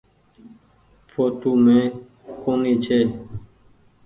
ڦوٽو مين ڪونيٚ ڇي۔